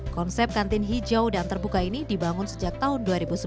konsep kantin hijau dan terbuka ini dibangun sejak tahun dua ribu sebelas